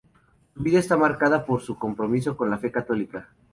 Su vida está marcada por su compromiso con la fe católica.